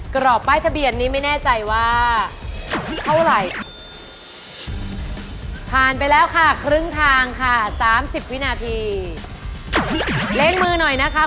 กรอบป้ายทะเบียนนี้ไม่แน่ใจว่าเท่าไหร่ผ่านไปแล้วค่ะครึ่งทางค่ะสามสิบวินาทีเล้งมือหน่อยนะคะ